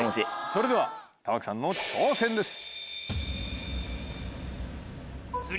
それでは玉木さんの挑戦です。